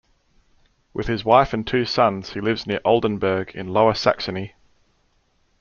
With his wife and two sons he lives near Oldenburg in Lower Saxony.